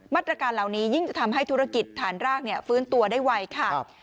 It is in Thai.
ตรการเหล่านี้ยิ่งจะทำให้ธุรกิจฐานรากฟื้นตัวได้ไวค่ะ